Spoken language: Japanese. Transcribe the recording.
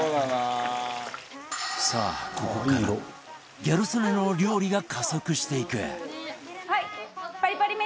さあここからギャル曽根の料理が加速していく